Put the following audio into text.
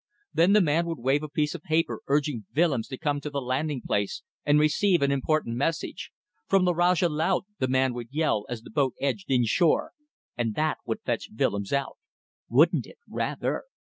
Then the man would wave a piece of paper urging Willems to come to the landing place and receive an important message. "From the Rajah Laut" the man would yell as the boat edged in shore, and that would fetch Willems out. Wouldn't it? Rather!